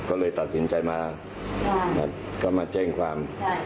ก็เลยตัดสินใจมาก็มาแจ้งความ